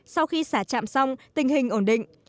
sau khi xả trạm xong tình hình ổn định